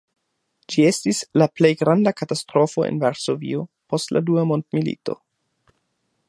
Ĝi estis la plej granda katastrofo en Varsovio post la dua mondmilito.